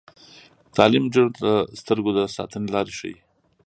تعلیم نجونو ته د سترګو د ساتنې لارې ښيي.